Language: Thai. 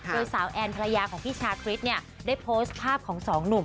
โดยสาวแอนภรรยาของพี่ชาคริสเนี่ยได้โพสต์ภาพของสองหนุ่ม